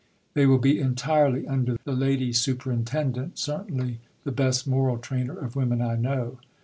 They will be entirely under the Lady Superintendent certainly the best moral trainer of women I know.